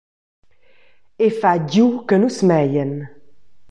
E fatg giu che nus meien.